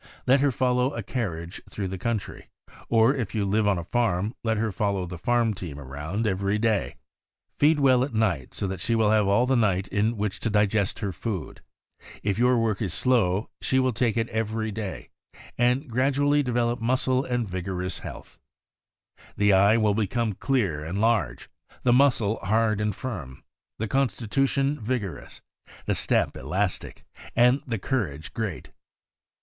Let her follow a carriage through the country, or if you live on a farm, let her fol low the farm team around every day. Feed well at night, so that she will have all the night in which to digest her food. If your work is slow, she will take it every day, and gradually develop muscle and vigorous health. The eye will become clear and large, the muscle hard and firm, the constitution vigorous, the step elastic, and the courage great.